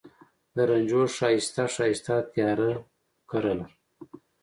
د رنجو ښایسته، ښایسته تیاره کرله